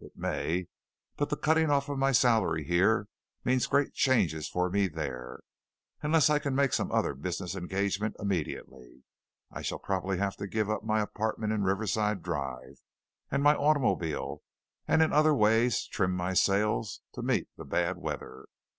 It may, but the cutting off my salary here means great changes for me there, unless I can make some other business engagement immediately. I shall probably have to give up my apartment in Riverside Drive and my automobile, and in other ways trim my sails to meet the bad weather.